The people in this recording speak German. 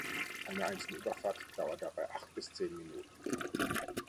Eine einzelne Überfahrt dauerte dabei acht bis zehn Minuten.